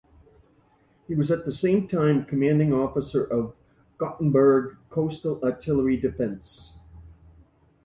He was at the same time commanding officer of Gothenburg Coastal Artillery Defence.